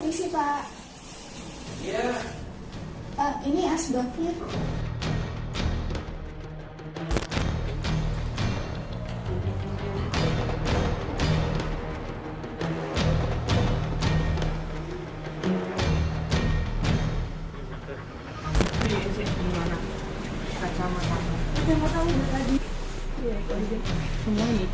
polisi pak ini asbaknya